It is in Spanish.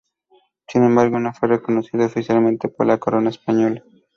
Sin embargo no fue reconocida oficialmente por la corona española.